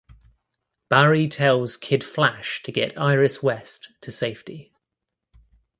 Barry tells Kid Flash to get Iris West to safety.